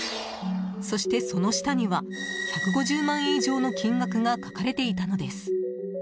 そして、その下には１５０万円以上の金額が書かれていたのです。